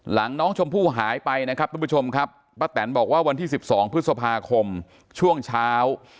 หลังน้องชมพู่หายไปนะครับทุกผู้ชมครับป้าแตนบอกว่าวันที่๑๒พฤษภาคมช่วงเช้า